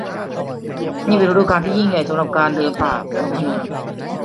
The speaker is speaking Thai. นี่เป็นฤดูกาลที่ยิ่งใหญ่สำหรับการเดินป่าบนถนน